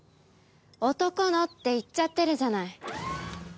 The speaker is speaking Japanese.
「男の」って言っちゃってるじゃない。